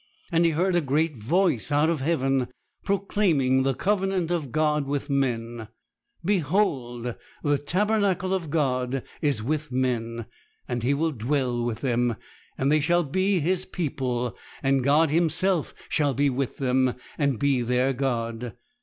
And he heard a great voice out of heaven, proclaiming the covenant of God with men: "Behold, the tabernacle of God is with men, and He will dwell with them, and they shall be His people; and God Himself shall be with them, and be their God.